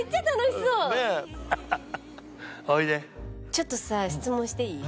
ちょっとさ質問していい？